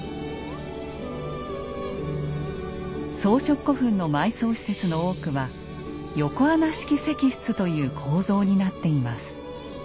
装飾古墳の埋葬施設の多くは「横穴式石室」という構造になっています。